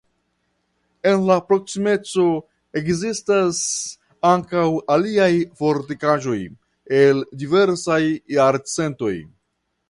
En la proksimeco ekzistas ankaŭ aliaj fortikaĵoj el diversaj jarcentoj.